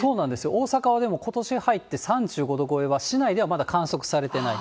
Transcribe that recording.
大阪はでもことしに入って３５度超えは市内ではまだ観測されていない。